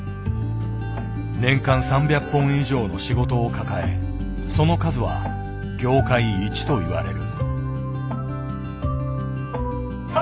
年間３００本以上の仕事を抱えその数は業界一と言われる。